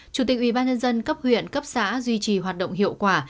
chủ tịch ubnd cấp huyện cấp xã duy trì hoạt động hiệu quả